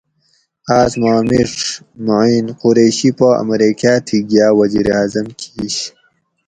آۤس ما میڛ مُعین قریشی پا امریکاۤ تھی گیاۤ وزیراعظم کِیش